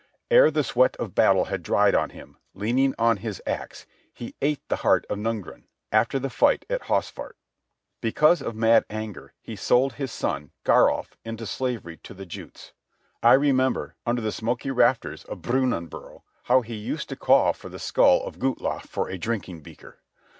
Ere the sweat of battle had dried on him, leaning on his axe, he ate the heart of Ngrun after the fight at Hasfarth. Because of mad anger he sold his son, Garulf, into slavery to the Juts. I remember, under the smoky rafters of Brunanbuhr, how he used to call for the skull of Guthlaf for a drinking beaker.